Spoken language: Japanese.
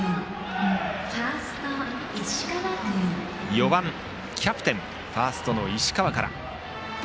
４番キャプテンファーストの石川からという打順。